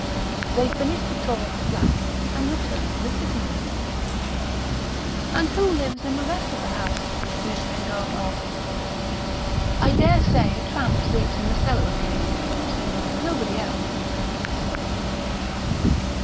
They finished the tour of the flat, and returned to the sitting room. "And who lives in the rest of the house?" Miss Bengough asked. "I dare say a tramp sleeps in the cellar occasionally. Nobody else."